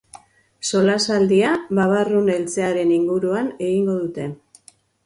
Solasaldia babarrun eltzearen inguruan egingo dute.